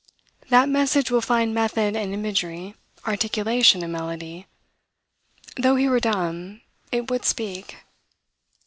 That message will find method and imagery, articulation and melody. Though he were dumb, it would speak.